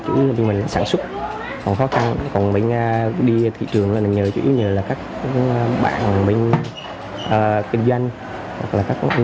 cảm ơn các bạn đã theo dõi